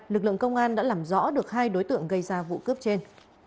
lực lượng công an đã làm rõ được hai đối tượng gây ra vụ cướp trên